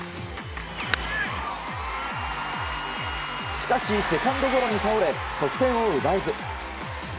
しかし、セカンドゴロに倒れ得点を奪えず。